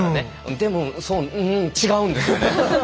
でも違うんですよね。